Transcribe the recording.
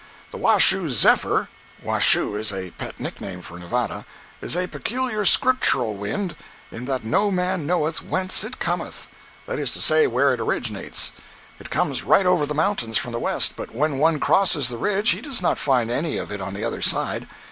The "Washoe Zephyr" (Washoe is a pet nickname for Nevada) is a peculiar Scriptural wind, in that no man knoweth "whence it cometh." That is to say, where it originates. It comes right over the mountains from the West, but when one crosses the ridge he does not find any of it on the other side!